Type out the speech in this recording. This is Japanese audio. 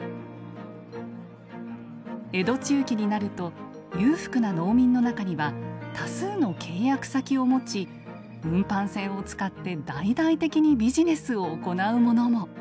江戸中期になると裕福な農民の中には多数の契約先を持ち運搬船を使って大々的にビジネスを行う者も。